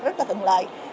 rất là thuận lợi